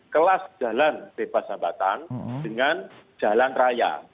kelas jalan bebas hambatan dengan jalan raya